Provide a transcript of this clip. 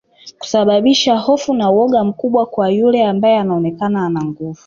Kusababisha hofu na woga mkubwa kwa yule ambae anaonekana ana nguvu